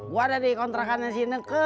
gua ada di kontrakanin si ineke